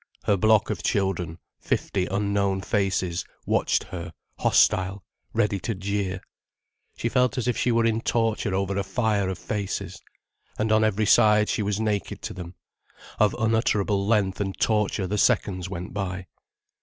Her block of children, fifty unknown faces, watched her, hostile, ready to jeer. She felt as if she were in torture over a fire of faces. And on every side she was naked to them. Of unutterable length and torture the seconds went by.